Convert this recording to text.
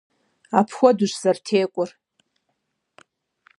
Апхуэдэущ зэрытекӏуэр!